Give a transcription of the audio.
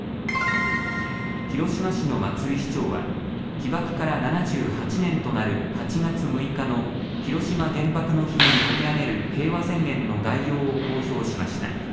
広島市の松井市長は、被爆から７８年となる８月６日の広島原爆の日に読み上げる平和宣言の概要を公表しました。